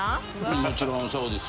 もちろんそうです。